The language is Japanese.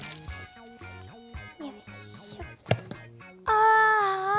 ああ！